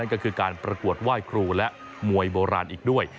ก็คือการประกวดไหว้ครูและมวยโบราณอีกด้วย